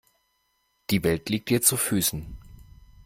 Die Welt liegt dir zu Füßen.